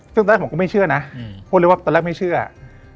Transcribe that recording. ซึ่งตอนแรกผมก็ไม่เชื่อนะ